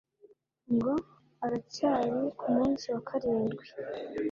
ngo aracyari kumunsi wakarindwi